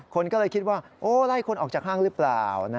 คนก็เลยคิดว่าไล่คนออกจากห้างหรือเปล่า